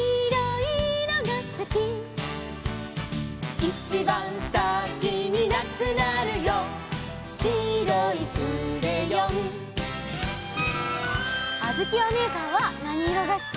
「いちばんさきになくなるよ」「きいろいクレヨン」あづきおねえさんはなにいろがすき？